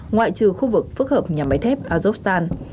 ngoại trừ khu vực phức hợp nhà máy thép azokstan